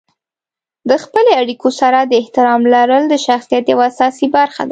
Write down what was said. د خپلې اړیکو سره د احترام لرل د شخصیت یوه اساسي برخه ده.